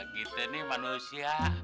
gitu nih manusia